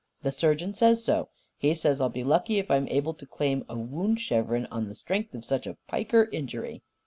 The surgeon says so. He says I'll be lucky if I'm able to claim a wound chevron on the strength of such a piker injury.